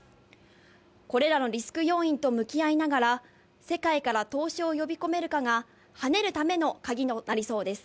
これらのリスク要因と向き合いながら、世界から投資を呼び込めるかが、跳ねるためのカギとなりそうです。